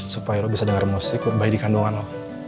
supaya lo bisa dengar musik bayi di kandungan lo